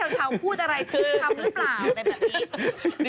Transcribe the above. ว่าพี่ชาวพูดอะไรที่คำหรือเปล่าแบบนี้